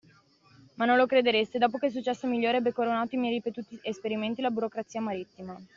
Ma non lo credereste: dopo che il successo migliore ebbe coronato i miei ripetuti esperimenti, la burocrazia marittima